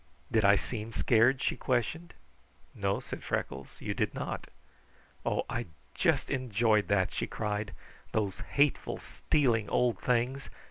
"Did I seem scared?" she questioned. "No," said Freckles, "you did not." "Oh, I just enjoyed that," she cried. "Those hateful, stealing old things!